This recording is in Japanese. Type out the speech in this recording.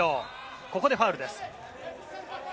ここでファウルです。